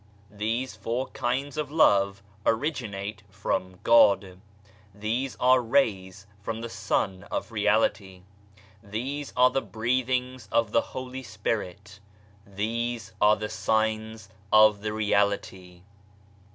These four kinds of love originate from God. These are rays from the Sun of Reality ; these are the Breathings of the Holy Spirit ; these are the Signs of the Reality.